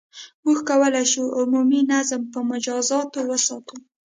• موږ کولای شو، عمومي نظم په مجازاتو وساتو.